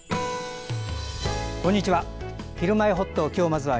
こんにちは。